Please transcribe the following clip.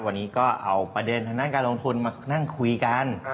วันนี้ก็เอาประเด็นทางด้านการลงทุนมานั่งคุยกัน